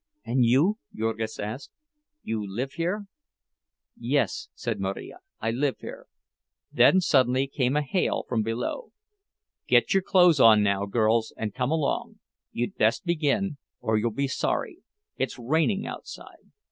"And you?" Jurgis asked. "You live here?" "Yes," said Marija, "I live here." Then suddenly came a hail from below: "Get your clothes on now, girls, and come along. You'd best begin, or you'll be sorry—it's raining outside."